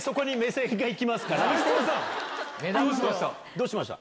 どうしました？